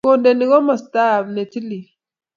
kondenei komostab ne tilil